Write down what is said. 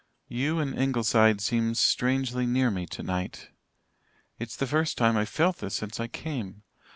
"You and Ingleside seem strangely near me tonight. It's the first time I've felt this since I came.